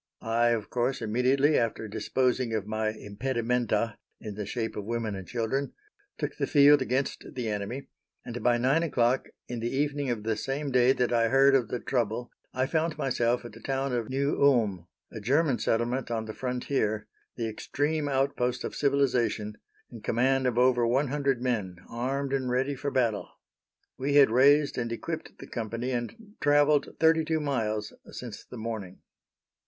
I, of course, immediately, after disposing of my impedimenta in the shape of women and children, took the field against the enemy, and by nine o'clock in the evening of the same day that I heard of the trouble I found myself at the town of New Ulm, a German settlement on the frontier, the extreme outpost of civilization, in command of over one hundred men, armed and ready for battle. We had raised and equipped the company and travelled thirty two miles since the morning.